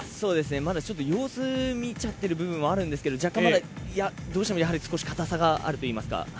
まだちょっと様子を見ちゃってる部分はあるんですけど若干、まだどうしても少し固さがあるといいますか。